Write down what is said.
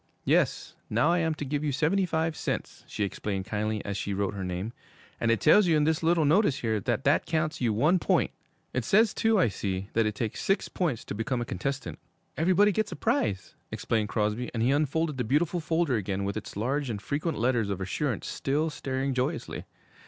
'Yes, now I am to give you seventy five cents,' she explained kindly, as she wrote her name, 'and it tells you in this little notice here that that counts you one point. It says, too, I see, that it takes six points to become a contestant.' 'Everybody gets a prize,' explained Crosby; and he unfolded the beautiful folder again with its large and frequent letters of assurance still staring joyously.